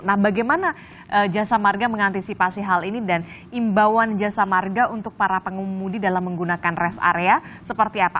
nah bagaimana jasa marga mengantisipasi hal ini dan imbauan jasa marga untuk para pengemudi dalam menggunakan rest area seperti apa